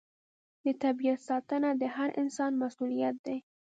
د طبیعت ساتنه د هر انسان مسوولیت دی.